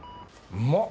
うまっ。